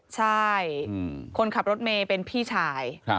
ใช่คนขับรถเมย์เป็นพี่ชาย